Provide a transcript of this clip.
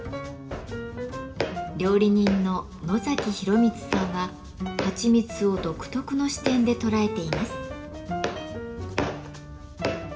料理人の野洋光さんははちみつを独特の視点で捉えています。